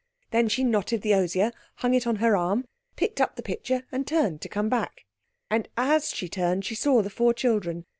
Then she knotted the osier, hung it on her arm, picked up the pitcher, and turned to come back. And as she turned she saw the four children.